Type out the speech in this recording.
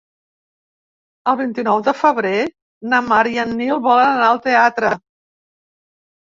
El vint-i-nou de febrer na Mar i en Nil volen anar al teatre.